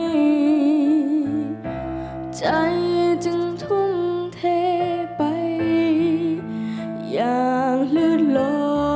ไม่ใจจึงทุ่มเทไปอย่างเลือดหล่อย